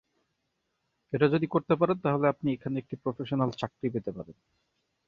এটা যদি করতে পারেন তাহলে আপনি এখানে একটি প্রফেশনাল চাকরি পেতে পারেন।